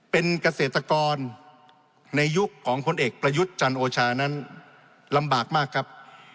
เป็นเกษตรกรในยุคของพลเอกประยุทธ์จันโอชานั้นลำบากมากครับ